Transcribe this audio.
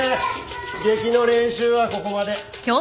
劇の練習はここまで。